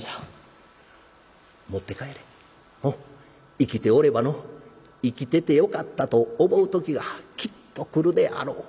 生きておればの生きててよかったと思う時がきっと来るであろう」。